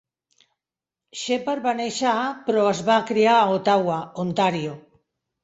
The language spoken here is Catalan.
Sheppard va néixer a però es va criar a Ottawa, Ontario.